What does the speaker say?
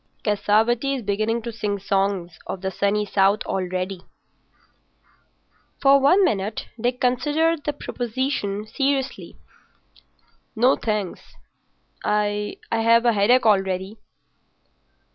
Cassavetti is beginning to sing songs of the Sunny South already." For one minute Dick considered the proposition seriously. "No, thanks, I've a headache already."